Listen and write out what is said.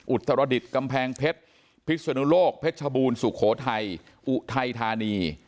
อุตรดิษฐ์กำแพงเพชรพิศนุโลกเพชรชบูรณ์สุโขทัยอุทัยธานี